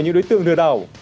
và những đối tượng lừa đảo